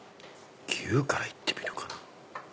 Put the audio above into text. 牛から行ってみるかな。